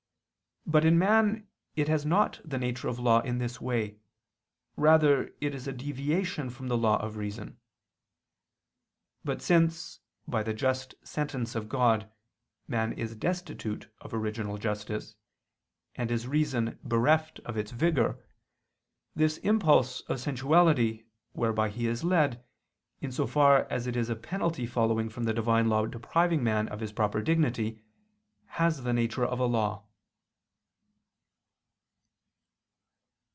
But in man, it has not the nature of law in this way, rather is it a deviation from the law of reason. But since, by the just sentence of God, man is destitute of original justice, and his reason bereft of its vigor, this impulse of sensuality, whereby he is led, in so far as it is a penalty following from the Divine law depriving man of his proper dignity, has the nature of a law.